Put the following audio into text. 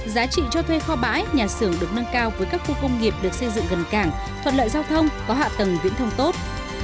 giá trị cho thuê kho bãi nhà xưởng được nâng cao với các khu công nghiệp được xây dựng gần cảng thuận lợi giao thông có hạ tầng viễn thông tốt